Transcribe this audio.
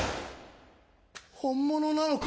本物なのか？